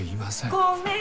ごめん！